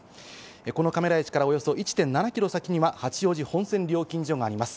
このカメラ位置から１．７キロには八王子本線料金所があります。